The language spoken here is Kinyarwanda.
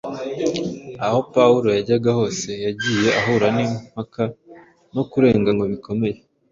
Aho Pawulo yajyaga hose yagiye ahura n’impaka no kurenganywa bikomeye.